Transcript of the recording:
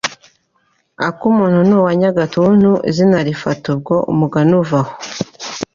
Akumuntu ni uwa Nyagatuntu! Izina lifata bwo; umugani uva aho.